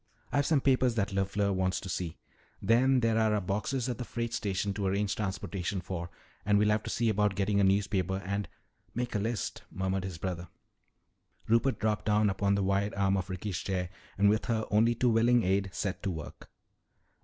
"I've some papers that LeFleur wants to see. Then there're our boxes at the freight station to arrange transportation for, and we'll have to see about getting a newspaper and " "Make a list," murmured his brother. Rupert dropped down upon the wide arm of Ricky's chair and with her only too willing aid set to work.